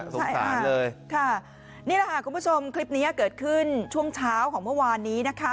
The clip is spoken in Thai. ใช่ค่ะนี่แหละค่ะคุณผู้ชมคลิปนี้เกิดขึ้นช่วงเช้าของเมื่อวานนี้นะคะ